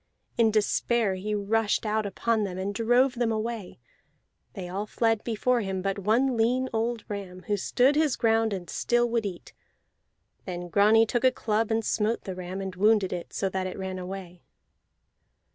In despair he rushed out upon them, and drove them away; they all fled before him but one lean old ram, who stood his ground and still would eat. Then Grani took a club and smote the ram, and wounded it, so that it ran away.